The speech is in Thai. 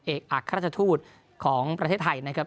เอกอัครราชทูตของประเทศไทยนะครับ